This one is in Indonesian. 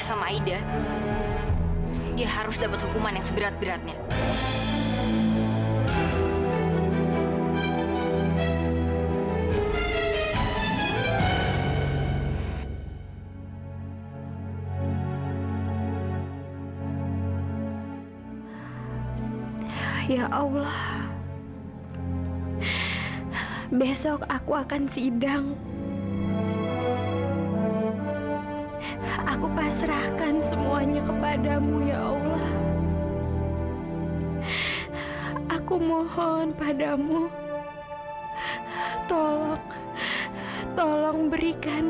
sampai jumpa di video selanjutnya